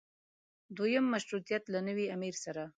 دویم مشروطیت له نوي امیر سره.